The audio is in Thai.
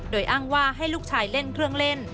โดยอ้างว่าให้ลูกชายเล่นเครื่องเล่น